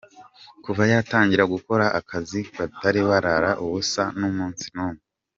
Kuva yatangira gukora ako kazi batari barara ubusa n’umunsi n’umwe.